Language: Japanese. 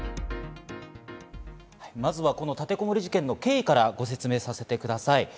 まずは、この立てこもり事件の経緯からご説明させてください。